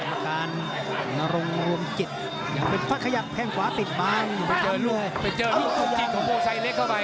ไปเจอน้องครูปจิตของโปรดไซค์เล็กเข้าไป